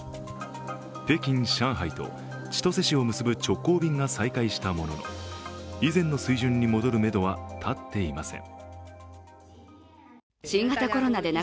北京・上海と千歳市を結ぶ直行便が再開したものの以前の水準に戻るめどは立っていません。